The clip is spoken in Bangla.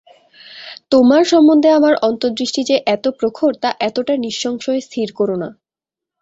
তোমার সম্বন্ধে আমার অন্তর্দৃষ্টি যে এত প্রখর তা এতটা নিঃসংশয়ে স্থির কোরো না।